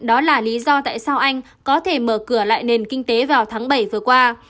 đó là lý do tại sao anh có thể mở cửa lại nền kinh tế vào tháng bảy vừa qua